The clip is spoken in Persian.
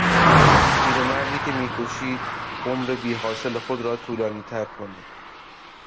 پیرمردی که میکوشید عمر بیحاصل خود را طولانیتر کند